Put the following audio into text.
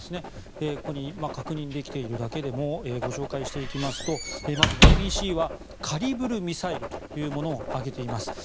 ここで確認されているだけでもまず、ＢＢＣはカリブルミサイルというものを挙げています。